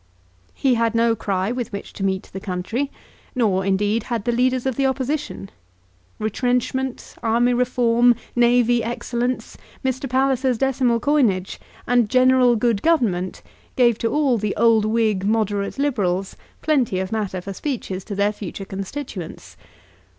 He had no cry with which to meet the country, nor, indeed, had the leaders of the Opposition. Retrenchment, army reform, navy excellence, Mr. Palliser's decimal coinage, and general good government gave to all the old Whig moderate Liberals plenty of matter for speeches to their future constituents.